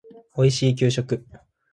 おいしい給食